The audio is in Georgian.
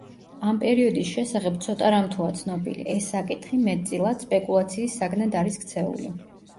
ამ პერიოდის შესახებ ცოტა რამ თუა ცნობილი, ეს საკითხი, მეტწილად, სპეკულაციის საგნად არის ქცეული.